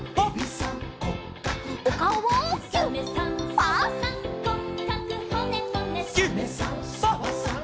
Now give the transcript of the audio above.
「サメさんサバさん